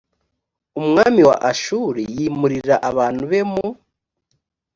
umwami wa ashuri yimurira abantu be mu